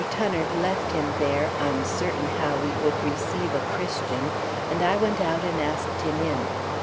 Tunnard left him there, uncertain how we would receive a Christian, and I went out and asked him in.